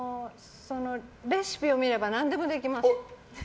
レシピを見れば何でもできます。